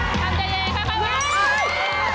แม่กายเย็นค่อยวาง